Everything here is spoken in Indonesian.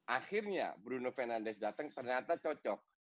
akhirnya bruno fernandes datang ternyata cocok